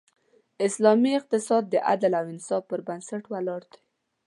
اسلامی اقتصاد د عدل او انصاف پر بنسټ ولاړ دی.